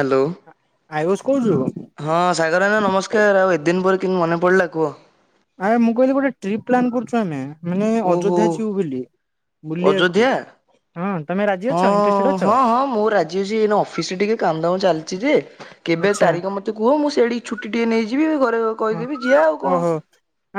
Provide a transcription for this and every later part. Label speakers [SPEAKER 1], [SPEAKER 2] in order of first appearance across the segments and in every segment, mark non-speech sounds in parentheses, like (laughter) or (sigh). [SPEAKER 1] Hello.
[SPEAKER 2] Ayush କହୁଚୁ?
[SPEAKER 1] ହଁ ସାଗର ଭାଇନା ନମସ୍କାର୍, ଆଉ ଏତେ ଦିନପରେ କେମ୍ତି ମନେ ପଡିଲା କୁହ।
[SPEAKER 2] ଆରେ ମୁଁ କହିଲି ଗୋଟେ ଟ୍ରିପ୍ ପ୍ଲାନ୍ କରୁଛୁ ଆମେ ମାନେ
[SPEAKER 1] ଓହୋ
[SPEAKER 2] ଅଯୋଧ୍ୟା ଯିବୁ ବୋଲି। ବୁଲିବାକୁ
[SPEAKER 1] ଅଯୋଧ୍ୟା?
[SPEAKER 2] ହଁ ତମେ ରାଜ୍
[SPEAKER 1] ହଁ-ହଁ-ହଁ ମୁଁ ରାଜି ଅଛି ଏଇନା ଅଫିସରେ ଟିକେ କାମ୍ ଦାମ ଟିକେ ଚାଲିଚି ଯେ କେବେ
[SPEAKER 2] ଆଚ୍ଛା
[SPEAKER 1] ତାରିଖ ମତେ କୁହ ମୁଁ ସେଇଠି ଛୁଟି ଟିକଏ ନେଇଯିବି ଘରେ
[SPEAKER 2] ହଁ
[SPEAKER 1] କହିଦେବି ଯିଆ ଆଉ କଣ।
[SPEAKER 2] ଓହୋ।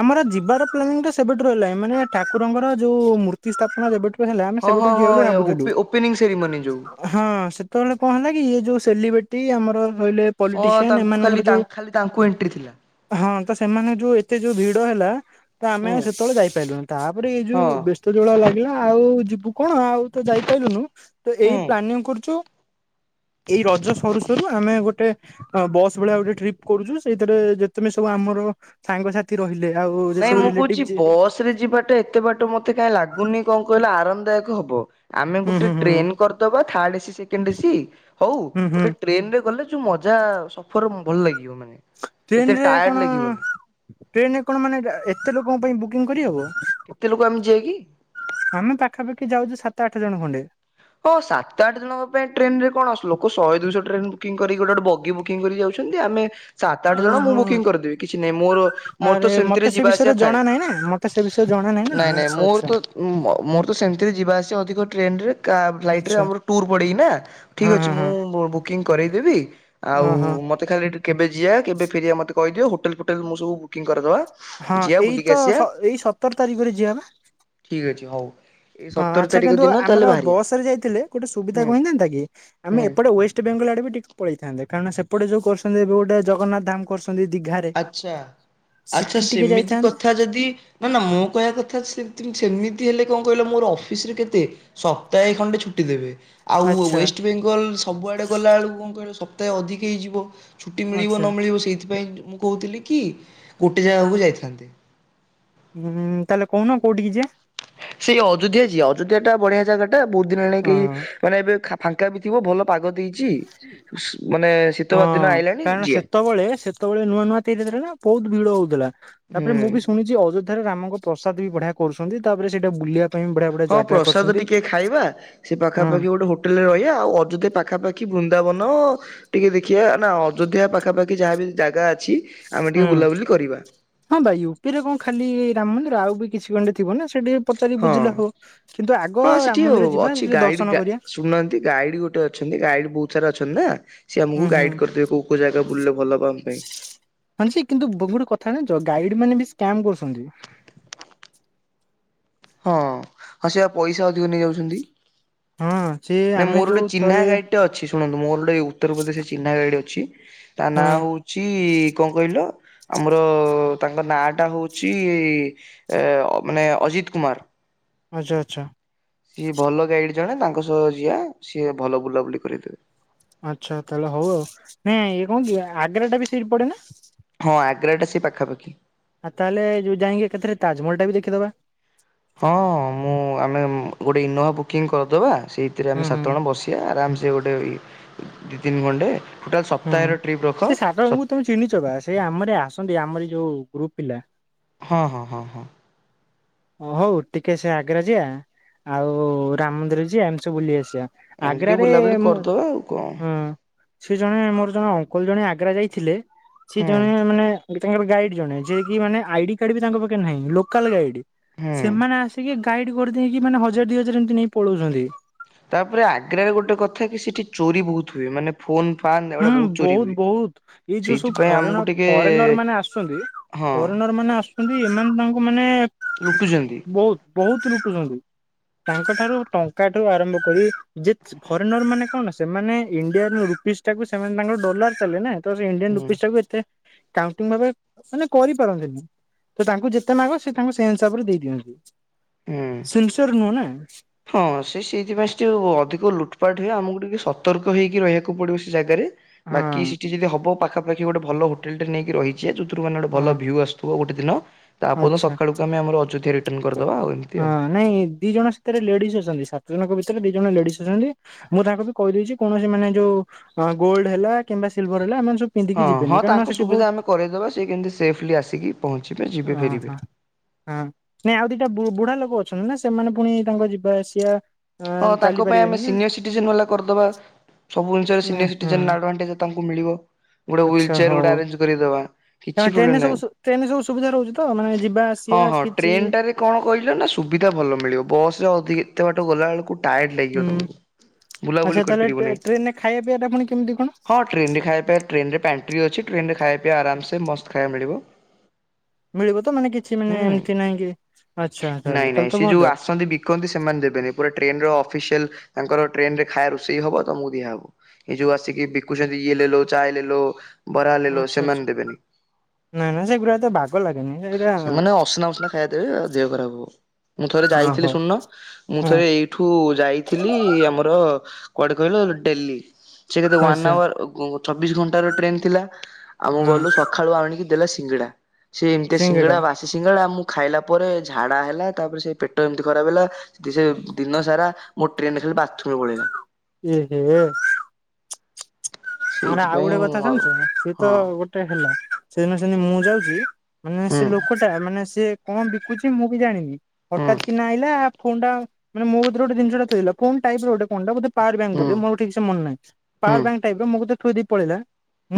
[SPEAKER 2] ଆମର ଯିବାର ପ୍ଲାନିଂଟା ସେବେଠୁ ରହିଲାଇଁ, ମାନେ ଠାକୁରଙ୍କର ଯୋଉ ମୂର୍ତ୍ତି ସ୍ଥାପନା ଯେବେଠୁ ହେଲା ଆମେ
[SPEAKER 1] ହଁ ହଁ
[SPEAKER 2] ସେବେଠାରୁ ଯିବା
[SPEAKER 1] ହଁ
[SPEAKER 2] ବୋଲି ଭାବୁଥିଲୁ।
[SPEAKER 1] ଓପେ ଓପେନିଂ ସେରିମନି ଯୋଉ
[SPEAKER 2] ହଁ ସେତେବେଳେ କଣ ହେଲା କି ଇଏ ଯୋଉ ସେଲିବ୍ରେଟି ଆମର ରହିଲେ
[SPEAKER 1] ହଁ
[SPEAKER 2] ପଲିଟିସିଆନ୍
[SPEAKER 1] ତାଙ୍କୁ ଖାଲି
[SPEAKER 2] ଏମାନଙ୍କର ଯୋଉ
[SPEAKER 1] ତାଙ୍କୁ ଖାଲି ତାଙ୍କୁ ଏଣ୍ଟ୍ରି ଥିଲା।
[SPEAKER 2] ହଁ ତ ସେମାନଙ୍କ ଯୋଉ ଏତେ ଯୋଉ ଭିଡ ହେଲା ତ ଆମେ
[SPEAKER 1] ହୁଁ
[SPEAKER 2] ସେତେବେଳେ ଯାଇପାରିଲୁନି ତାପରେ ଏଇ
[SPEAKER 1] ହଁ
[SPEAKER 2] ଯୋଉ ବେସ୍ ତ ଯୋଉ ଭଳିଆ ଲାଗିଲା ଆଉ ଯିବୁ କଣ ଆଉ ତ ଯାଇପାଇଲୁନୁ ତ
[SPEAKER 1] ହୁଁ
[SPEAKER 2] ଏଇ ପ୍ଲାନିଂ କରୁଚୁ ଏଇ ରଜ ସରୁ-ସରୁ ଆମେ ଗୋଟେ ବସ୍ ଭଳିଆ ଗୋଟେ ଟ୍ରିପ୍ କରୁଚୁ ସେଇଥେରେ ଯେ ତେମେ ସବୁ ଆମର ସାଙ୍ଗସଥି ରହିଲେ ଆଉ ସବୁ ରିଲେଟିଭ୍ ଯିଏ
[SPEAKER 1] ବସରେ ଯିବାଟା ଏତେବାଟ ମତେ କାଇଁ ଲାଗୁନି କଣ କହିଲ ଆରାମଦାୟକ ହବ। ଆମେ
[SPEAKER 2] ହୁଁ
[SPEAKER 1] ଗୋଟେ
[SPEAKER 2] ହୁଁ ହୁଁ
[SPEAKER 1] ଟ୍ରେନ୍ କରିଦବା ଥାର୍ଡ ଏସି ସେକେଣ୍ଡ ଏସିି ହଉ
[SPEAKER 2] ହୁଁ ହୁଁ
[SPEAKER 1] ଗୋଟେ ଟ୍ରେନ୍ରେ ଗଲେ ଯୋଉ ମଜା ସଫର ଭଲ୍ ଲାଗିବ ମାନେ। ଏତେ
[SPEAKER 2] ଟ୍ରେନରେ
[SPEAKER 1] ଟାୟାର୍ଡ
[SPEAKER 2] କଣ
[SPEAKER 1] ଲାଗିବନି
[SPEAKER 2] ଟ୍ରେନରେ କଣ ମାନେ ଏତେ ଲୋକଙ୍କ ପାଇଁ ବୁକିଂ କରିହବ?
[SPEAKER 1] କେତେ ଲୋକ ଆମେ ଯିବା କି?
[SPEAKER 2] ଆମେ ପାଖାପାଖି ଯାଉଛୁ ସାତ ଆଠ ଜଣ ଖଣ୍ଡେ।
[SPEAKER 1] ହଁ ସାତ ଆଠ ଜଣଙ୍କ ପାଇଁ ଟ୍ରେନରେ କଣ ଲୋକ ସହେ ଦୁଇଶହ ଟ୍ରେନ୍ ବୁକିଙ୍ଗ କରିକି ଗୋଟେ-ଗୋଟେ ବଗି ବୁକିଙ୍ଗ କରି ଯାଉଚନ୍ତି ଆମେ ସାତ ଆଠ ଜଣ ମୁଁ
[SPEAKER 2] ଓହୋ
[SPEAKER 1] ବୁକିଂ କରିଦେବି କିଛି ନାହିଁ ମୋର-ମୋର ତ ସେମିତିରେ ଯିବା ଆସିବା ଥାଏ।
[SPEAKER 2] ତ ସେ ବିଷୟରେ ଜଣା ନାହିଁ ନା
[SPEAKER 1] ନାଇଁ ନାଇଁ ମୋର
[SPEAKER 2] ଆଚ୍ଛା-ଆଚ୍ଛା।
[SPEAKER 1] ତ ମୋର ତ ସେମ୍ତି ରେ ଯିବା ଆସିବ ଅଧିକ ଟ୍ରେନ୍ରରେ କାବ୍ ଫ୍ଲାଇଟ୍ ରେ
[SPEAKER 2] ଆଚ୍ଛା
[SPEAKER 1] ଆମର ଟୁର ପଡେଇ ନା ଠିକ୍
[SPEAKER 2] ହଁ
[SPEAKER 1] ଅଛି
[SPEAKER 2] ହଁ ହଁ
[SPEAKER 1] ମୁଁ ବୁକିଂ କରେଇଦେବି ଆଉ
[SPEAKER 2] ଓହୋ
[SPEAKER 1] ମ ମତେ ଖାଲି ଏଠୁ କେବେ ଯିଆ କେବେ ଫେରିଆ ମତେ କହିଦଅ ହୋଟଲ୍ ଫୋଟଲ୍ ମୁଁ ସବୁ ବୁକିଂ କରିଦବା।
[SPEAKER 2] ହଁ
[SPEAKER 1] ଯିବା ବୁଲିକି
[SPEAKER 2] ଏଇତ
[SPEAKER 1] ଆସିବା
[SPEAKER 2] ଏଇ ସତର ତାରିଖରେ ଯିବା ନା?
[SPEAKER 1] ଠିକ୍ ଅଛି ହଉ। ଏଇ
[SPEAKER 2] ହଁ
[SPEAKER 1] ସତର
[SPEAKER 2] ଆଚ୍ଛା
[SPEAKER 1] ତାରିଖ
[SPEAKER 2] କିନ୍ତୁ
[SPEAKER 1] ଦିନ ତାହେଲେ
[SPEAKER 2] ଆମର
[SPEAKER 1] ବାହାରିବା
[SPEAKER 2] ବସରେ ଯାଇଥିଲେ ଗୋଟେ ସୁବିଧା
[SPEAKER 1] ହୁଁ
[SPEAKER 2] କଣ ହେଉଥାନ୍ତା କି ଆମେ
[SPEAKER 1] ହୁଁ।
[SPEAKER 2] ଏପଟେ ୱେଷ୍ଟ ବେଙ୍ଗଲ୍ ଆଡେ ବି ଟିକେ ପଳେଇଥାନ୍ତେ, କାରଣ ସେପଟେ ଯଉ କରିଛନ୍ତି ଗୋଟେ ଜଗନ୍ନାଥ ଧାମ କରଛନ୍ତି ଦିଘାରେ
[SPEAKER 1] ଆଚ୍ଛା-ଆଚ୍ଛା
[SPEAKER 2] ସିଟି ଟିକେ
[SPEAKER 1] ସେମିତି
[SPEAKER 2] ଯାଇଥାନ୍ତେ
[SPEAKER 1] କଥା ଯଦି ନା ନା ମୋ କହିବା କଥା ସେ ତେମେ ସେମିତି ହେଲେ କଣ କହିଲ ମୋର ଅଫିସରେ କେତେ ସପ୍ତାହେ ଖଣ୍ଡେ ଛୁଟି ଦେବେ। ଆଉ
[SPEAKER 2] ଆଚ୍ଛା
[SPEAKER 1] ୱେଷ୍ଟ ବେଙ୍ଗଲ୍ ସବୁଆଡେ ଗଲା ବେଳକୁ କଣ କହିଲ ସପ୍ତାହେ ଅଧିକ ହେଇଯିବ। ଛୁଟି ମିଳିବ
[SPEAKER 2] ଆଚ୍ଛା
[SPEAKER 1] ନ ମିଳିବ ସେଇଥିପାଇଁ ମୁଁ କହୁଥିଲି କି ଗୋଟେ ଜାଗାକୁ ଯାଇଥାନ୍ତେ।
[SPEAKER 2] ହୁଁ ତାହେଲେ କହୁନ କୋଉଠିକି ଯିଆ।
[SPEAKER 1] ସେଇ ଅଯୋଧ୍ୟା ଯିଆ ଅଯୋଧ୍ୟା ଟା ବଢିଆ ଜାଗାଟା ବହୁତ୍ ଦିନ ହେଲାଣି
[SPEAKER 2] ହଁ
[SPEAKER 1] କେହି ମାନେ ଏବେ ଖା ଫାଙ୍କା ବି ଥିବ ଭଲ ପାଗ ଦେଇଚି।
[SPEAKER 2] ହଁ କାରଣ ସେତବେଳେ-ସେତବେଳେ ନୂଆ-ନୂଆ ତିଆରି ଥିଲା ନା ବହୁତ୍ ଭିଡ ହଉଥିଲା। ତାପରେ
[SPEAKER 1] ହୁଁ।
[SPEAKER 2] ମୁଁ ବି ଶୁଣିଛି ଅଯୋଧ୍ୟାରେ ରାମଙ୍କ ପ୍ରସାଦ ବି ବଢିଆ କରୁଚନ୍ତି ତାପରେ ସେଇଟା ବୁଲିଆକୁ
[SPEAKER 1] ହଁ ପ୍ରସାଦ ଟିକେ ଖାଇବା ସେ
[SPEAKER 2] ହୁଁ
[SPEAKER 1] ପାଖାପାଖି ଗୋଟେ ହୋ ହୋଟେଲରେ ରହିବା ଆଉ ଅଯୋଧ୍ୟା ପାଖାପାଖି ବୃନ୍ଦାବନ ଟିକେ ଦେଖିବା ନା ଅଯୋଧ୍ୟା ପାଖାପାଖି ଯାହା ବିି ଜାଗା ଅଛି ଆମେ ଟିକେ
[SPEAKER 2] ହୁଁ
[SPEAKER 1] ବୁଲାବୁଲି କରିବା
[SPEAKER 2] ହଁ ଭାଇ ୟୁପି ରେ କଣ ଖାଲି ରାମ ମନ୍ଦିର ଆଉ ବି କିଛି ଖଣ୍ଡେ ଥିବ ନା ସେଠି ପଚାରିକି
[SPEAKER 1] ହଁ
[SPEAKER 2] ବୁଝିଲା ହଉ କିନ୍ତୁ ଆଗ
[SPEAKER 1] ହଁ ସେଠି
[SPEAKER 2] ରାମ ମନ୍ଦିର ଯିବା
[SPEAKER 1] ଅଛି
[SPEAKER 2] ସେଠି
[SPEAKER 1] ଗାଇଡ
[SPEAKER 2] ଦର୍ଶନ
[SPEAKER 1] ଗା
[SPEAKER 2] କରିବା
[SPEAKER 1] ଶୁଣୁନାହାନ୍ତି ଗାଇଡ ଗୋଟେ ଅଛନ୍ତି ଗାଇଡ ବହୁତ ସାରା ଅଛନ୍ତି ନା ସି ଆମକୁ
[SPEAKER 2] ହୁଁ ହୁଁ।
[SPEAKER 1] ଗାଇଡ୍ କରିଦେବେ କୋଉ ଜାଗା ବୁଲିଲେ ଭଲ ହବ ଆମ ପାଇଁ
[SPEAKER 2] ହଁ କିନ୍ତୁ ଗୋଟେ କଥା ଗାଇଡ ମାନେ ବି ସ୍କାମ କରୁଛନ୍ତି
[SPEAKER 1] ହଁ ହଁ ସେଆ ପଇସା ଅଧିକ ନେଇଯାଉଛନ୍ତି
[SPEAKER 2] ହଁ ସିଏ ଆମେ ଯୋଉ ଥରେ
[SPEAKER 1] ଗଟେ ଅଛି ଶୁଣନ୍ତୁ ମୋର ଗୋଟେ ଉତ୍ତରପ୍ରଦେଶ ଚିହ୍ନା ଗାଡି ଅଛି ତା
[SPEAKER 2] ହଁ
[SPEAKER 1] ନାଁ ହଉଛି କଣ କହିଲ ଆମର ତାଙ୍କ ନାଁ ଟା ହଉଛି ମାନେ ଅଜିତ କୁମାର
[SPEAKER 2] ଆଚ୍ଛା ଆଚ୍ଛା
[SPEAKER 1] ସିଏ ଭଲ ଗାଇଡ ଜଣେ ତାଙ୍କ ସହ ଯିଆ ସିଏ ଭଲ ବୁଲାବୁଲି କରିଦେବେ
[SPEAKER 2] ଆଚ୍ଛା ତାହେଲେ ହଉ ଆଉ ନ ଇଏ କଣ କି ଆଗ୍ରା ଟା ବି ସଇରି ପଡେ ନା
[SPEAKER 1] ହଁ ଆଗ୍ରାଟା ସ ପାଖାପାଖି
[SPEAKER 2] ଆଉ ତାହେଲେ ଯଉ ଯାଇକି କେଥରେ ତାଜମହଲ ଟା ଦେଖିଦବା
[SPEAKER 1] ହଁ ମୁଁ ଆମେ ଗୋଟେ ଇନୋଭା ବୁକିଂ କରିଦେବା ସେଇଥିରେ
[SPEAKER 2] ହୁଁ
[SPEAKER 1] ଆମେ
[SPEAKER 2] ହୁଁ
[SPEAKER 1] ସାତ ଜଣ ବସି ଆରାମ ଗୋଟେ ଦି ଦିନ ଗଣ୍ଡେ ପୁରା ସପ୍ତାଏ ର ଟ୍ରିପ ରଖ
[SPEAKER 2] ଚିହିଁଛ ବା ସେ ଆମର ଆସନ୍ତି ଆମର ଯୋଉ ଗ୍ରୁପ ପିଲା
[SPEAKER 1] ହଁ ହଁ ହଁ ହଁ।
[SPEAKER 2] ଓ ହଉ ଟିକେ ସେ ଆଗ୍ରା ଯିବା ଆଉ ରାମ ମନ୍ଦିର ଯିବା ଏମିତି ସବୁ ବୁଲେଇ ଆସିବା।
[SPEAKER 1] ଏମିତି ଟିକେ
[SPEAKER 2] ଆଗ୍ରାରେରେ
[SPEAKER 1] ବୁଲାବୁଲି କରିଦବା ଆଉ କଣ
[SPEAKER 2] ହୁଁ। ସେ ଜଣେ ମୋର ଜଣେ ଅଙ୍କଲ ଜଣେ ଆଗ୍ରା ଯାଇଥିଲେ ସେ
[SPEAKER 1] ହୁଁ।
[SPEAKER 2] ଜଣେ ମାନେ। ତାଙ୍କର ଗାଇଡ୍ ଜଣେ ଯିଏ କି ମାନେ ଆଡି କାର୍ଡ ବି ତାଙ୍କ ପାଖେ ନାହିଁ ଲୋକାଲ ଗାଇଡ୍।
[SPEAKER 1] ହୁଁ।
[SPEAKER 2] ସେମାନେ ଆସିକି ଗାଇଡ କରେଇକି ମାନେ ହଜାର ଦି ହଜାର ଏମତି ନେଇ ପଳଉଛନ୍ତି।
[SPEAKER 1] ତାପରେ ଆଗ୍ରାରେ ଗୋଟେ କଥା କି ସେଠି ଚୋରି ବହୁତ ହୁଏ ମାନେ। ଫୋନ ଫାନ୍ ଏଗୁଡା
[SPEAKER 2] ହୁଁ
[SPEAKER 1] ଚୋରି ହୁଏ।
[SPEAKER 2] ବହୁତ ବହୁତ ଏଇ ଯୋଉ ସବୁ
[SPEAKER 1] ସେଇଥିପାଇଁ ଆମକୁ
[SPEAKER 2] ଫରେନ
[SPEAKER 1] ଟିକେ
[SPEAKER 2] ଫରେନର ମାନେ ଆସୁଛନ୍ତି।
[SPEAKER 1] ହଁ
[SPEAKER 2] ଫରେନର ମାନେ ଆସୁଛନ୍ତି ଏମାନେ ତାଙ୍କୁ ମାନେ
[SPEAKER 1] ଲୁଟୁଛନ୍ତି
[SPEAKER 2] ବହୁତ। ବହୁତ ଲୁଟୁଛନ୍ତି ତାଙ୍କଠାରୁ ଟଙ୍କାଠୁ ଆରମ୍ଭ କରି ଯେ ଫରେନର ମାନେ କଣ ସେମାନେ ଇଣ୍ଡିଆର ରୁ ସେମାନେ ତାଙ୍କର ଡଲାର ଚାଲେ ନା ତ ଇଣ୍ଡିଆନ୍
[SPEAKER 1] ହୁଁ
[SPEAKER 2] ରୂପିଶ ଟାକୁ ଏତେ। କାଉଣ୍ଟିଙ୍ଗ ଭା ମାନେ କରିପାରନ୍ତିନି। ତ ତାଙ୍କୁ ଯେତେ ମାଗ ସେ ତାଙ୍କୁ ସେ ହିସାବରେ ଦେଇ ଦିଅନ୍ତି
[SPEAKER 1] ହୁଁ।
[SPEAKER 2] ସନ୍ସର ନୁହଁ ନା।
[SPEAKER 1] ହଁ ସେ ସେଇଥିପାଇଁ ସେ ଟିକେ ଅଧିକ ଲୁଟପାଟ ହୁଏ ଆମକୁ ଟିକେ ସତର୍କ ହେଇକି ରହିବାକୁ ପଡିବ ସେ ଜାଗାରେ
[SPEAKER 2] ହଁ
[SPEAKER 1] ବାକି ସେଠି ଯଦି ହବ ପାଖାପାଖି ଗୋଟେ ଭଲ ହୋଟେଲ ଟି ନେଇକି ରହିଛିେ ଯୋଉଥିରୁ ମାନେ ଗୋଟେ
[SPEAKER 2] ହଁ
[SPEAKER 1] ଭଲ ଭ୍ୟୁ ଆସୁ ଥିବ ଗୋଟେ ଦିନ ତାପର ଦିନ
[SPEAKER 2] ଆଚ୍ଛା।
[SPEAKER 1] ସକାଳକୁ ଆମେ ଆମର ଅଯୋଧ୍ୟା ରିଟର୍ଣ କରିଦବା ଆଉ ଏମିତି
[SPEAKER 2] ହଁ
[SPEAKER 1] ଆଉ।
[SPEAKER 2] ନାଇଁ। ଦି ଜଣ ଭିତରେ ଲେଡିସ୍ ଅଛନ୍ତି ସାତ ଜଣଙ୍କ ଭିତରେ ଦି ଜଣ ଲେଡିଜ ଅଛନ୍ତି। ମୁଁ ତାଙ୍କୁ ବି କହିଦେଇଛି କୌଣସି ମାନେ ଯୋଉ ଗୋଲ୍ଡ ହେଲା କିମ୍ବା ସିଲଭର ହେଲା ଏମାନେ ସବୁ। ପିନ୍ଧିକି
[SPEAKER 1] ହଁ
[SPEAKER 2] ଯିବେନି
[SPEAKER 1] ହଁ
[SPEAKER 2] କାରଣ
[SPEAKER 1] ତାଙ୍କ
[SPEAKER 2] ସେଠି ବହୁତ
[SPEAKER 1] ସୁବିଧା ଆମେ କରାଇଦେବା ସି କେମିତି ସେଫଲି ଆସିକି ପହଞ୍ଚିବେ ଯିବେ
[SPEAKER 2] ଓହୋ
[SPEAKER 1] ଫେରିବେ।
[SPEAKER 2] ହଁ ନାଇଁ ଆଉ ଦିଟା ବୁଢା ଲୋକ ଅଛନ୍ତି ନା ସେମାନେ ପୁଣି ତାଙ୍କ ଯିବା ଆସିବା।
[SPEAKER 1] ହଁ
[SPEAKER 2] ଆଁ ଚାଲି
[SPEAKER 1] ତାଙ୍କ ପାଇଁ ଆମେ
[SPEAKER 2] ପାରିବେନି ନା
[SPEAKER 1] ସିନିୟର ସିଟିଜେନ ଭଲା କରିଦବା ସବୁ
[SPEAKER 2] ନା ହଁ
[SPEAKER 1] ଜିନିଷିନିୟିେଡାେଜ। ତାଙ୍କୁ ମିଳିବ। ଗୋଟେ ହ୍ୱିଲ
[SPEAKER 2] ଆଚ୍ଛା
[SPEAKER 1] ଚେୟାର ଗୋଟେ
[SPEAKER 2] ହଉ
[SPEAKER 1] ଆରଙ୍ଗେ କରିଦବା
[SPEAKER 2] ତମେ
[SPEAKER 1] କିଛି ପ୍ରୋବେଲମ
[SPEAKER 2] ଟ୍ରେନରେ ସବୁ
[SPEAKER 1] ନାଇଁ।
[SPEAKER 2] ସୁ ଟ୍ରେନରେ ସବୁ ସୁବିଧା ରହୁଛି ତ ମାନେ ଯିବା
[SPEAKER 1] ହଁ
[SPEAKER 2] ଆସିବା
[SPEAKER 1] ହଁ
[SPEAKER 2] କିଛି
[SPEAKER 1] ଟ୍ରେନଟାରେ କଣ କହିଲ ନା ସୁବିଧା ଭଲ ମିଳିବ ବସ୍ ରେ ଅଧିକ ଏତେ ବାଟ ଗଲାବେଳକୁ। ଟାଏଡ ଲାଗଯିବ
[SPEAKER 2] ହୁଁ
[SPEAKER 1] ତମକୁ ବୁଲାବୁଲି
[SPEAKER 2] ଆଚ୍ଛା ତାହେଲେ ଟ୍ରେ
[SPEAKER 1] କରିପାରିବନି।
[SPEAKER 2] ଟ୍ରେନରେ ଖାଇବା ପିଇବା ଟା ପୁଣି କେମିତି କଣ?
[SPEAKER 1] ଟ୍ରେନ ରେ ଖାଇବାବା ଟ୍ରେନ ରେ ପାଣ୍ଟ୍ରି ଅଛି ଟ୍ରେନରେ ଖାଇବା ଆରାମସ ମସ୍ତ ଖାଇବା ମିଳିବ।
[SPEAKER 2] ମିଳିବ ତ ମାନେ କିଛି ମାନେ
[SPEAKER 1] ହୁଁ।
[SPEAKER 2] ଏମିତି ନହିଁ କି ଆଚ୍ଛା ତାହଲେ ତାହେଲେ ତ ଭଲ।
[SPEAKER 1] ଶିଖନ୍ତି ସେମାନେ ଦେବେନି ପୁରା ଟ୍ରେନ ର ଅଫିସିଆଲ ତାଙ୍କର ଟ୍ରେନ ରେ ଖାଇବା ରୋଷେଇ ହବ ତ ମୁକୁ ଦିଆହବ। ଏଇ ଯୋଉ ଆସିକି ବିକୁଛନ୍ତି ଇଏ ଲେଲୋ ଚା ଲେଲୋ। ବରା ଲେଲୋ
[SPEAKER 2] ଆଚ୍ଛା ଆଚ୍ଛା।
[SPEAKER 1] ସେମାନେ ଦେବେନି।
[SPEAKER 2] ନାଇଁ ନାଇଁ ସେଗୁରା ଏତେ ବାଗ ଲାଗେନି ସେଇଟା
[SPEAKER 1] ସେମାନେ ଅସନା ଫସନା ଖାଇବା ଦେବେ ଆଉ ଦେହ ଖରାପ ହବ। ମୁଁ ଥରେ ଯାଇଥିଲି
[SPEAKER 2] ଓହୋ
[SPEAKER 1] ଶୁଣୁନ ମୁଁ
[SPEAKER 2] ହଁ
[SPEAKER 1] ଥରେ ଏଇ ଏଠୁ ଯାଇଥିଲି ଆମର କୁଆଡେ କହିଲ ଡେଲି। ସେ କେତେ ୱାନ୍
[SPEAKER 2] ଆଚ୍ଛା
[SPEAKER 1] ଆୱାର ଚବିଶ ଘଣ୍ଟାର ଟ୍ରେନ୍ ଥିଲା ଆମ
[SPEAKER 2] ହଁ
[SPEAKER 1] ଗଲୁ ସକ୍ ଖାଳୁ ଆଣିକି ଦେଲା ସିଙ୍ଗଡ଼ା। ସେ ଏମିତିଆ
[SPEAKER 2] ସିଙ୍ଗଡା
[SPEAKER 1] ସିଙ୍ଗଡ଼ା ବା ସେ ସିଙ୍ଗଡ଼ା ମୁ ଖାଇଲା ପରେ ଝାଡା ହେଲା ତାପରେ ସେ ପେଟ ଏମିତି ଖରାପ ହେଲା ସେ ଦିନ ସାରା ମୋ ଟ୍ରେନରେ ଖାଲି ବାଥରୁମ ରେ ପଳେଇଲା।
[SPEAKER 2] ଏହେ। ଆ ମାନେ ଆଉ
[SPEAKER 1] ସେଇଥିପାଇଁ
[SPEAKER 2] ଗୋଟେ କଥା
[SPEAKER 1] ମୁଁ ଆଉ
[SPEAKER 2] ସୁଣିଛ ସିଏ ତ
[SPEAKER 1] ହଁ
[SPEAKER 2] ଗୋଟେ ଟା ହେଲା ସେଦିନ ସେନ୍ତି ମୁଁ ଯାଉଛି ମାନେ ସେ
[SPEAKER 1] ହୁଁ
[SPEAKER 2] ଲୋକ ଟା ମାନେ ସେ କଣ ବିକୁଛି ମୁଁ ବି ଜାଣିନି।
[SPEAKER 1] ହୁଁ
[SPEAKER 2] ହଠାତ୍ କିନା ଆଇଲା ଫୋନଟା ମାନେ ମୋ କତିରେ ଗୋଟ ଜିନିଷଟା ଥୋଇଥିଲା ଫୋନ୍ ଟାଇପର ଗୋଟେ କଣଟା ବୋଧେ ପାୱାର ବ୍ୟାଙ୍କ
[SPEAKER 1] ହୁଁ
[SPEAKER 2] ବୋଧ ମୋର ଠିକସେ ମନ ନାହିଁ
[SPEAKER 1] ହୁଁ
[SPEAKER 2] ପାୱାର ବ୍ୟାଙ୍କ୍ ଟାଇପର ମୋ କତିରେ ଥୋଇ ଦେଇ ପଳେଇଲା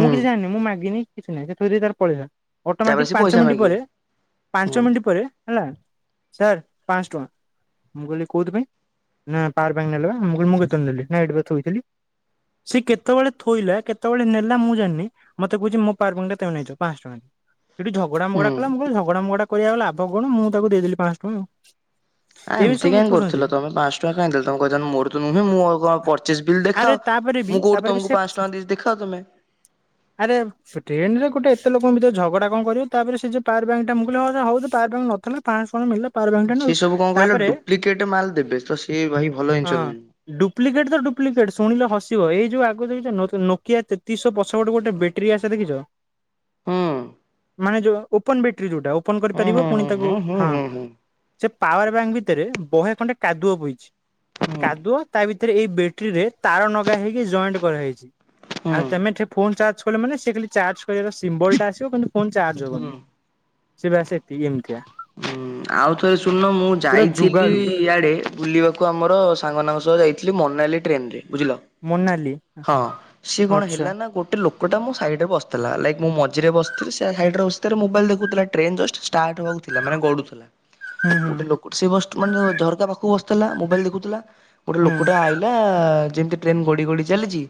[SPEAKER 2] ମୁଁ କିଛି ଜାଣିନି ମୁଁ ମାଗିନି କିଛି ନାହିଁ ସେ ଥୋଇ ଦେଇ ତାର ପଳେଇଲା।
[SPEAKER 1] ତାପରେ
[SPEAKER 2] ଅଟୋମେଟିକ
[SPEAKER 1] ସେ
[SPEAKER 2] ପାଞ୍ଚ
[SPEAKER 1] ପଇସା
[SPEAKER 2] ମିନିଟ୍
[SPEAKER 1] ମାଗିବ
[SPEAKER 2] ପରେ ପାଞ୍ଚ
[SPEAKER 1] ହୁଁ
[SPEAKER 2] ମିନିଟ୍ ପରେ ହେଲା ସାର୍ ପାଂଶ ଟଙ୍କା। ମୁଁ କହିଲି କୋଉଥିପାଇଁଁ ନା ପାର ପାଇଁ ନେଲେ ପା ମୁଁ କହିଲି ମୁଁ କେତେବେଳେ ନେଲି ନା ଏଇଠି ପା ଥୋଇଥିଲି। ସେ କେତେବେଳେ ଥୋଇଲା କେତେବେଳେ ନେଲା ମୁଁ ଜାଣିନି ମତେ କହୁଛି ମୋ ପାୱାର ପଏଣ୍ଟ ଟା ତମେ ନେଇଛ। ପାଞ୍ଚଶ ଟଙ୍କା। ସେଠି ଝଗଡା ମଗଡା
[SPEAKER 1] ହୁଁ।
[SPEAKER 2] କଲା ମୁଁ କହିଲି ଝଗଡା ମଗଡା କରି ଆଉ ଲାଭ କଣ ମୁଁ ତାକୁ ଦେଇଦେଲି ପାଞ୍ଚଶହ ଟଙ୍କ ଆଉ।
[SPEAKER 1] ଆଁ
[SPEAKER 2] ଏମିତି
[SPEAKER 1] ଏମତି
[SPEAKER 2] ସବୁ
[SPEAKER 1] କାଇଁ
[SPEAKER 2] ଲୁଟୁଛନ୍ତି
[SPEAKER 1] କରୁଥୁଲ ତମେ ପାଞ୍ଚଶହ ଟଙ୍କା କାଇଁ ଦେଲେ ତମେ କହିଥାଆନ୍ତ ମୋର ତ ନୁହେଁ ମୋ ଆଉ କଣ ପର୍ଚେଜ୍ ବିଲ୍ ଦେଖାଅ।
[SPEAKER 2] ପରେ ବି ତାପରେ ବି ସେ
[SPEAKER 1] (unintelligible) ଦେଇଚି ଦେଖାଅ ତମେ।
[SPEAKER 2] ଆରେ ସେ ଟ୍ରେନ୍ ରେ ଗୋଟେ ଏତେ ଲୋକଙ୍କ ଭିତରେ ଝଗଡ଼ା କଣ କରିବ ତାପରେ ସେ ଯୋଉ ପାୱାରବ୍ୟାଙ୍କଟା ମୁଁ କହିଲି ହ ସେ ହଉ ପୱାରବ୍ୟାଙ୍କ୍ ନଥେଲା ପାଞ୍ଚଶହ ଟଙ୍କା ମିିଳିଲା
[SPEAKER 1] ସିଏ ସବୁ କଣ କହିଲ ଡୁ୍ପ୍ଲିକେଟ୍ ମାଲ୍ ଦେବେ ତ ସିଏ ଭାଇ ଭଲ ଜିନ୍ସ ନୁହଁ।
[SPEAKER 2] ଡୁପ୍ଲିକେଟ୍ ତ ଡୁପ୍ଲିକେଟ୍ ଶୁଣିଲେ ହସିବ ଏଇ ଯୋଉ ଆଗ ଦେଖିଚ ନୋ ନୋକିଆ ତେତିଶହ ପସ ଟ ଗୋଟେ ଗୋଟେ ବେଟ୍ରୀ ଆସେ ଦେଖିଚ
[SPEAKER 1] ହୁଁ
[SPEAKER 2] ମାନେ ଯୋଉ ଓପନ ବେଟେରୀ ଯୋଉଟା ଓପନ
[SPEAKER 1] ହୁଁ
[SPEAKER 2] କରିପାରିବ ପୁଣି
[SPEAKER 1] ହୁଁ
[SPEAKER 2] ତାକୁ
[SPEAKER 1] ହୁଁ ହୁଁ
[SPEAKER 2] ହଁ
[SPEAKER 1] ହୁଁ ହୁଁ
[SPEAKER 2] ସେ ପାୱାର ବ୍ୟାଙ୍କ ଭିତରେ ବହେ ଖଣ୍ଡେ କାଦୁଅ ପଇଚି।
[SPEAKER 1] ହୁଁ
[SPEAKER 2] କାଦୁଅ ତା ଭିତରେ ଏଥିରେ ଏଇ ବେଟ୍ରିରେ ତାର ନଗା ହେଇକି ଜଏଣ୍ଟ କରାହେଇଚି।
[SPEAKER 1] ହୁଁ।
[SPEAKER 2] ଆଉ ତମେ ଠେ ଫୋନ୍ ଚାର୍ଜ କଲେ ମାନେ ସେ ଖାଲି ଚାର୍ଜ କରିବାର ସିମ୍ବଲଟା ଆସିବ କିନ୍ତୁ ଫୋନ ଚାର୍ଜ
[SPEAKER 1] ହୁଁ ହୁଁ
[SPEAKER 2] ହେବନି। ସେବା (unintelligible) ବି ଏମିତିଆ।
[SPEAKER 1] ହୁଁ। ଆଉ ଥରେ ଶୁଣୁନ ମୁଁ
[SPEAKER 2] ପୁରା
[SPEAKER 1] ଯାଇଥିଲି
[SPEAKER 2] ଯୁଗାଡୁ
[SPEAKER 1] ଇଆଡେ ବୁଲିବାକୁ ଆମର ସାଙ୍ଗମାନଙ୍କ ସହ ଯାଇଥିଲି ମନାଲି ଟ୍ରେନରେ ବୁଝିଲ।
[SPEAKER 2] ମୋନାଲି
[SPEAKER 1] ହଁ ସିଏ କଣ
[SPEAKER 2] ଆଚ୍ଛା
[SPEAKER 1] ହେଲା ନାଁ ଗୋଟେ ଲୋ କଟା ମୋ ସାଇଡରେ ବସ୍ ଥେଲା ଲାଇକ୍ ମୁଁ ମଝିରେ ବସ୍ ଥିଲି ସେ ସାଇଡରେ ବସି ତାର ମୋବାଇଲ ଦେଖୁଥିଲା ଟ୍ରେନ ଜଷ୍ଟ୍ ଷ୍ଟାର୍ଟ ହବାଉ ଥିଲା ମାନେ ଗଡୁଥେଲା
[SPEAKER 2] ହୁଁ ହୁଁ
[SPEAKER 1] ଗୋଟେ ଲୋ ସିଏ ବଷ୍ଟ୍ ମାନେ ଦେଖ ଝରକା ପାଖୁକୁ ବସ୍ ଥେଲା ମୋବାଇଲ ଦେଖୁଥିଲା ଗୋଟେ
[SPEAKER 2] ହୁଁ
[SPEAKER 1] ଲୋକଟା ଆଇ ଲା ଯେମିତି ଟ୍ରେନ ଗଡ଼ି ଗଡ଼ି ଚାଲିଚି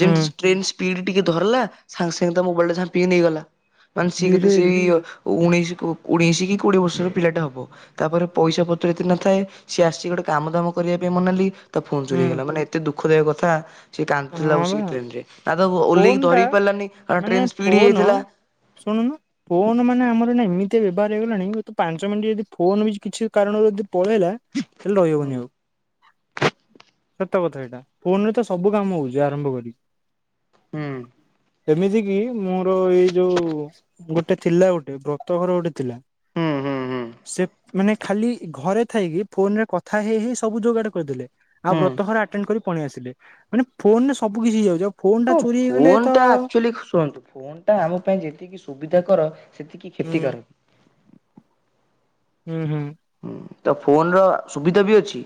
[SPEAKER 1] ଜେମତୀ
[SPEAKER 2] ହୁଁ
[SPEAKER 1] ଷ୍ଟ୍ରେନ୍ସ୍ ପୀଡ଼ି ଟିକେ ଧରଲା ସାଙ୍ଗେ ସାଙ୍ଗେ ତା ମୋବାଇଲଟା ଝାମ୍ପିକି ନେଇଗଲା ମାନେ ସିଏ କେତେ
[SPEAKER 2] ହିରେରେ
[SPEAKER 1] ସେଇ ଓ ଉଣେଇଶିକୁ ଉଣେଇଶି କି କୋଡ଼ିଏ ବର୍ଷର ପିଲାଟା ହେବ ତାପରେ ପଇସା ପତ୍ର ଏତେ ନ ଥାଏ, ସିଏ ଆସିିକି ଗୋଟେ କାମ ଦାମ କରିବା ପାଇଁ ମନାଲି ତା ଫୋନ୍ ଚୋରି
[SPEAKER 2] ହୁଁ
[SPEAKER 1] ହେଇଗଲା। ମାନେ ଏତେ ଦୁଃଖଦାୟକ କଥା ସେ କାନ୍ଦୁଥିଲା
[SPEAKER 2] ହଁ ବା
[SPEAKER 1] ବସିକି ଟ୍ରେନ୍ ରେ। ନା ତ
[SPEAKER 2] ଫୋନ
[SPEAKER 1] ଓଲ୍ହେଇକି
[SPEAKER 2] ଟା
[SPEAKER 1] ଧରି ହିଁ ପାରିଲାନି, କାରଣ
[SPEAKER 2] ମାନେ
[SPEAKER 1] ଟ୍ରେନ ସ୍ପିଡ
[SPEAKER 2] ଫୋନ
[SPEAKER 1] ହେଇଯାଇଥିଲା।
[SPEAKER 2] ଶୁଣୁନୁ। ଫୋନ୍ ମାନେ ଆମର ଏଇନା ଏମିତିଆ ବ୍ୟବହାର ହେଇଗଲାଣି ହୁଏତ ପାଞ୍ଚ ମିନିଟ୍ ଯଦି ଫୋନ୍ ବି କିଛି କାରଣରୁ ଯଦି ପଳେଇଲା ତାହେଲେ
[SPEAKER 1] ହୁଁ
[SPEAKER 2] ରହିହବନି ଆଉ। ସତକଥା ଏଇଟା। ଫୋନ ରେ ତ ସବୁ କାମ ହଉଚି ଆରମ୍ଭ କରିିକି।
[SPEAKER 1] ହୁଁ
[SPEAKER 2] ଏମିତି କି ମୋର ଏଇ ଯୋଉ ଗୋଟେ ଥିଲା ଗୋଟେ ବ୍ରତ ଘର ଗୋଟେ ଥିଲା।
[SPEAKER 1] ହୁଁ ହୁଁ ହୁଁ
[SPEAKER 2] ସେ ମାନେ ଖାଲି ଘରେ ଥାଇକି ଫୋନ୍ ରେ କଥା ହେଇ ହେଇ ସବୁ ଯୋଗାଡ କରିଦେଲେ। ଆଉ
[SPEAKER 1] ହୁଁ।
[SPEAKER 2] ବ୍ରତ ଘର ଆଟେଣ୍ଡ କରି ପଳେଇ ଆସିଲେ। ମାନେ ଫୋନ୍ ରେ ସବୁ କିଛି ହେଇଯାଉଚି। ଆଉ ଫୋନ ଟା
[SPEAKER 1] ହଁ
[SPEAKER 2] ଚୋରି ହେଇଗଲେ
[SPEAKER 1] ଫୋନ୍
[SPEAKER 2] ତ
[SPEAKER 1] ଟା ଆକ୍ଚୁଆଲି ଶୁଣନ୍ତୁ ଫୋନ୍ ଟା ଆମ ପାଇଁ ଯେତିକି ସୁବିଧା କର ସେତିକି
[SPEAKER 2] ହୁଁ
[SPEAKER 1] କ୍ଷତିକାରକ।
[SPEAKER 2] ହୁଁ ହୁଁ।
[SPEAKER 1] ହୁଁ। ତ ଫୋନ୍ ର ସୁବିଧା ବି ଅଛି।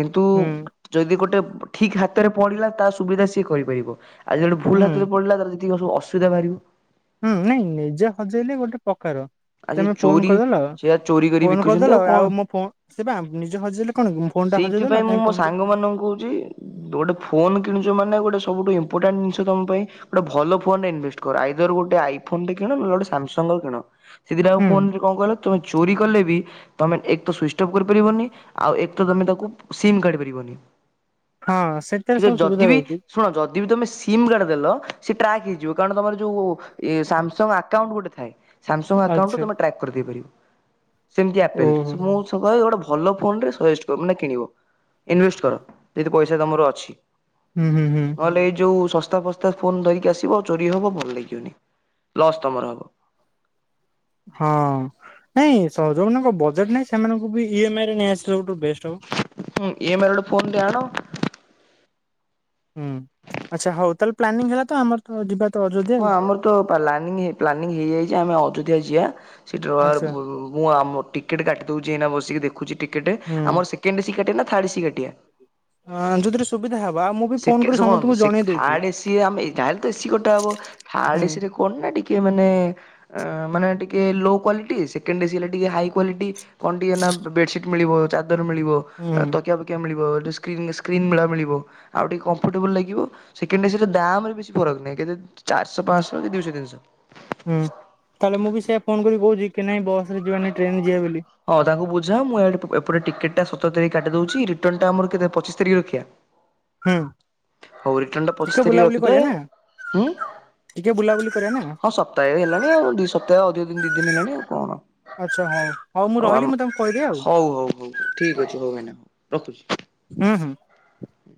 [SPEAKER 1] କିନ୍ତୁ
[SPEAKER 2] ହୁଁ
[SPEAKER 1] ଯଦି ଗୋଟେ ଠିକ୍ ହାତରେ ପଡିଲା ତା ସୁବିଧା ସିଏ କରିପାରିବ। ଆଜି ଗୋଟେ
[SPEAKER 2] ହୁଁ
[SPEAKER 1] ଭୁଲ ହାତରେ ପଡ଼ିଲା ତାର ଯେତିିକି ସବୁ ଅସୁବିଧା ବାହାରିବ।
[SPEAKER 2] ହୁଁ ନାଇଁ ନିଜେ ହଜେଇଲେ ଗୋଟେ ପ୍ରକାର।
[SPEAKER 1] ଆଉ ସେ
[SPEAKER 2] ତମେ ଫୋନ୍
[SPEAKER 1] ଚୋରି
[SPEAKER 2] କରିଦେଲ
[SPEAKER 1] ସେଆ ଚୋରି କରି
[SPEAKER 2] ଫୋନ୍
[SPEAKER 1] ବିକୁଛନ୍ତି
[SPEAKER 2] କରିଦେଲ
[SPEAKER 1] କଣ
[SPEAKER 2] ଆଉ ମୋ ଫୋ ସିଏପା ନିଜେ ହଜେଇଲେ କଣ କି ଫୋନ ଟା ହଜେଇଦେଲ
[SPEAKER 1] ସେଇଥିପାଇଁ ମୁଁ
[SPEAKER 2] ତମେ
[SPEAKER 1] ମୋ
[SPEAKER 2] ଫୋନ
[SPEAKER 1] ସାଙ୍ଗ ମାନଙ୍କୁ କହୁଚି ତୁ ଗୋଟେ ଫୋନ କିଣୁଚୁ ମାନେ ଗୋଟେ ସବୁଠୁ ଇମ୍ପୋଟାଣ୍ଟ ଜିନିଷ ତମ ପାଇଁ ଗୋଟେ ଭଲ ଫୋନ୍ ରେ ଇନଭେଷ୍ଟ କର। ଆଇଦର ଗୋଟେ ଆଇଫୋନ୍ ଟେ କିଣ, ନହେଲେ ଗୋଟେ ସାମ୍ସଙ୍ଗ ର କିଣ। ସେ ଦିଟା ଯାଙ୍କ
[SPEAKER 2] ହୁଁ
[SPEAKER 1] ଫୋନ୍ ରେ କଣ କହିଲ ତୁମେ ଚୋରି କଲେ ବି ତମେ ଏକ୍ ତ ସୁଇଚ୍ ଅଫ୍ କରିପାରିବନି ଆଉ ଏକ୍ ତ ତମେ ତାକୁ ସିମ୍ କାଢି ପାରିବନି।
[SPEAKER 2] ହଁ ସେଥିରେ
[SPEAKER 1] ଠିକ୍
[SPEAKER 2] ସବୁ
[SPEAKER 1] ଅଛି
[SPEAKER 2] ସୁବିଧା
[SPEAKER 1] ଯଦି ବିି
[SPEAKER 2] ରହୁଛି।
[SPEAKER 1] ଶୁଣ ଯଦି ବି ତମେ ସିମ୍ ଗାର୍ଡ଼ ଦେଲ ସେ ଟ୍ରାକ୍ ହେଇଯିବ। କାରଣ ତମର ଯୋଉ ଇଏ ସାମସଙ୍ଗ ଆକାଉଣ୍ଟ ଗୋଟେ ଥାଏ। ସାମସଙ୍ଗ ଆକାଉଣ୍ଟୁ
[SPEAKER 2] ଆଚ୍ଛା
[SPEAKER 1] ତମେ ଟ୍ରାକ୍ କରିଦେଇ ପାରିବ। ସେମିତି ଆପେଲରେ।
[SPEAKER 2] ଓହୋ
[SPEAKER 1] ମୁଁ। (unintelligible) ଭଲ ଫୋନ୍ ଟେ ସଜେଷ୍ଟ କ ମାନେ କିଣିବ। ଇନଭେଷ୍ଟ କର, ଯଦି ପଇସା ତମର ଅଛି।
[SPEAKER 2] ହୁଁ ହୁଁ ହୁଁ।
[SPEAKER 1] ନହେଲେ ଏଇ ଯୋଉ ଶସ୍ତା ଫସ୍ତା ଫୋନ ଧରିକି ଆସିବ ଚୋରି ହବ ଭଲ ଲାଗିବନି ଲସ୍ ତମର ହବ।
[SPEAKER 2] ହଁ ନାଇଁ ସ ଯୋଉମାନଙ୍କ ବଜେଟ୍ ନାହିଁ ସେମାନଙ୍କୁ ବି ଇ ଏମ୍ ଆଇ ରେ ନେଇ ଆସିଲେ ସବୁଠୁ ବେଷ୍ଟ ହବ।
[SPEAKER 1] ହଁ ଇ ଏମ୍ବଆଇ ରେ ଗୋଟେ ଫୋନ ଟେ ଆଣ।
[SPEAKER 2] ହୁଁ ଆଚ୍ଛା ହୋଉ। ତାହେଲେ ପ୍ଲାନିଂ ହେଲା ତ ଆମର ତ ଯିବା ତ ଅଯୋଧ୍ୟା
[SPEAKER 1] ହଁ
[SPEAKER 2] ଆଉ
[SPEAKER 1] ଆମର ତ ପଲାନି ହେଇ ପ୍ଲାନିଂ ହେଇଯାଇଛି ଆମେ ଅଯୋଧ୍ୟା ଯିବା। ସେଠୀ
[SPEAKER 2] ଆଚ୍ଛା
[SPEAKER 1] ରହିବାର ମୁଁ ଆମ ଟିକେଟ କାଟି ଦୋଉଛି ଏଇନା ବସିକି ଦେଖୁଛି ଟିକେଟ।
[SPEAKER 2] ହୁଁ।
[SPEAKER 1] ଆମର ସେ ସେକେଣ୍ଡ ଏସି କାଟିବା ନା ଥାର୍ଡ ଏସି କାଟିିବା?
[SPEAKER 2] ହଁ ଯୋଉଥିରେ ସୁବିଧା ହବ ଆଉ ମୁଁ ବି ଫୋନ
[SPEAKER 1] ସେକେ
[SPEAKER 2] କରି
[SPEAKER 1] ସେ କଣ
[SPEAKER 2] ସମସ୍ତଙ୍କୁ
[SPEAKER 1] ଶେକେ
[SPEAKER 2] ଜଣେଇ ଦଉଛି
[SPEAKER 1] ଥାର୍ଡ ଏସିରେ ଆମେ ଯାହାଲେ ତ ଏସିି କଟା ହବ
[SPEAKER 2] ହୁଁ
[SPEAKER 1] ଥାର୍ଡ ଏସି ରେ କଣ ନା ଟିକେ ମାନେ ମାନେ ଟିକେ ଲୋ କ୍ଵାଲିଟି ସେକେଣ୍ଡ ଏସି ହେଲେ ଟିକେ ହାଇ କ୍ଵାଲିଟି। କଣ ଟିକେ ନା ବେଡସିଟ୍ ମିଳିବ ଚାଦର ମିଳିବ।
[SPEAKER 2] ହୁଁ।
[SPEAKER 1] ଆ ତକିଆ ଫକିଆ ମିଳିବ ଯୋଉ ସ୍କ୍ରିନ୍ ସ୍କ୍ରିନ୍ ମେଳା ମିଳିବ ଆଉ ଟିକେ କମ୍ଫର୍ଟେବୁଲ ଲାଗିବ। ସେକେଣ୍ଡ ଏସି ରେ ଦାମ ରେ ବେଶୀ ଫରକ ନାହିଁ କିନ୍ତୁ ଚାରିଶ ପାଞ୍ଚଶହ କି ଦୁଇଶହ ତିନିଶହ।
[SPEAKER 2] ହୁଁ ତାହେଲେ ମୁଁ ବି ସେଇଆ ଫୋନ କରିକି କହୁଛି କି ନାଇଁ ବସରେ ଯିବାନି ଟ୍ରେନ ରେ ଯିବା ବୋଲି।
[SPEAKER 1] ହଁ ତାଙ୍କୁ ବୁଝାଅ ମୁଁ ଇଆଡେ ପ ଏପଟେ ଟିକେଟଟା ସତର ତାରିଖ କାଟି ଦେଉଛି। ରିଟର୍ଣ ଟା ଆମର କେତେ ପଚିଶ ତାରିଖ ରଖିବା? (inaudible)
[SPEAKER 2] ହଁ।
[SPEAKER 1] ହୋଉ ରିଟର୍ନ ଟା ପଚିଶ ତାରିଖ
[SPEAKER 2] ନା
[SPEAKER 1] ରଖିଦେଆ
[SPEAKER 2] ଟିକେ ବୁଲାବୁଲି କରିବା ନା
[SPEAKER 1] ହଁ ସତ ତାହେ ହେଲାଣି ଆଉ ଦି ସପ୍ତାହ ଅଧିକ ଦି ଦିନ ହେଲାଣି ଆଉ କଣ।
[SPEAKER 2] ଆଚ୍ଛା ହୋଉ ହୋଉ ମୁଁ ରହିଲି ମୁଁ ତମକୁ କହିବି ଆଉ।
[SPEAKER 1] ଠିକ୍ ଅଛି ହୋଉ ଭାଇନା ରଖୁଛି।
[SPEAKER 2] ହୁଁ ହୁଁ।
[SPEAKER 1] ହୁଁ।